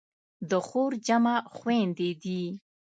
د خور جمع خویندې دي.